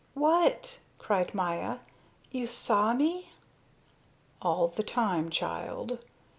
"What!" cried Maya. "You saw me?" "All the time, child.